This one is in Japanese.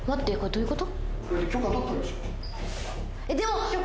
どういうこと？